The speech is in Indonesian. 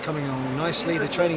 kami melihatnya saat berada di permainan